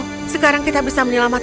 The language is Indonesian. mereka p rage perhubungan tetapt fer audit